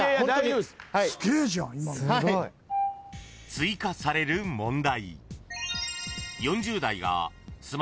［追加される問題］